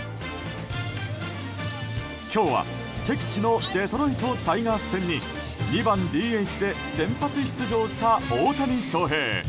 今日は敵地のデトロイト・タイガース戦に２番ＤＨで先発出場した大谷翔平。